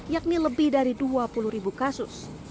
yakni lebih dari dua puluh ribu kasus